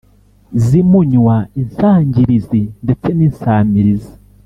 zimunywa insangirizi ndetse ninsamirizi.